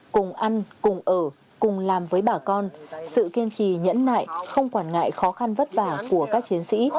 cùng ăn cùng ở cùng làm với bà con sự kiên trì nhẫn nại không quản ngại khó khăn vất vả của các chiến sĩ